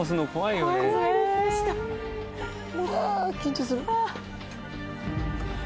うわっ緊張する。